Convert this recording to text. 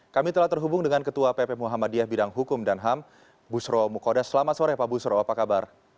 kami telah terhubung dengan ketua pp muhammadiyah bidang hukum dan ham busro mukoda selamat sore pak busro apa kabar